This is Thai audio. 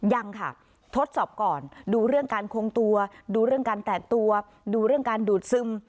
ยังค่ะทดสอบก่อนดูเรื่องการคงตัวดูเรื่องการแตกตัวดูเรื่องการดูดซึม